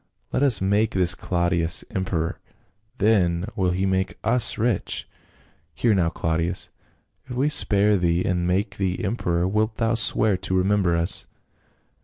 Let us make this Claudius emperor, then will he make us rich. Hear now, Claudius, if we spare thee and make thee emperor wilt thou swear to remember us?"